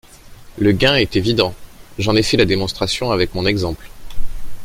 Le gain est évident – j’en ai fait la démonstration avec mon exemple.